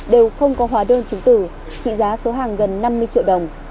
đều không có hóa đơn chứng tử trị giá số hàng gần năm mươi triệu đồng